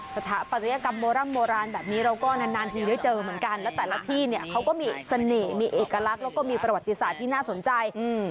สถาปัตยกรรมโบร่ำโบราณแบบนี้เราก็นานนานทีได้เจอเหมือนกันแล้วแต่ละที่เนี่ยเขาก็มีเสน่ห์มีเอกลักษณ์แล้วก็มีประวัติศาสตร์ที่น่าสนใจอืม